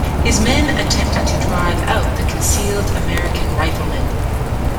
His men attempted to drive out the concealed American riflemen.